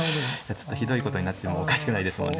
ちょっとひどいことになってもおかしくないですもんね。